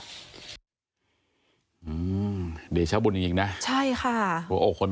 ตกลงไปจากรถไฟได้ยังไงสอบถามแล้วแต่ลูกชายก็ยังไง